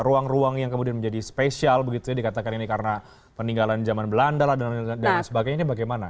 ruang ruang yang kemudian menjadi spesial begitu ya dikatakan ini karena peninggalan zaman belanda dan lain sebagainya ini bagaimana